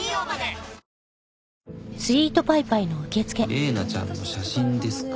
レイナちゃんの写真ですか？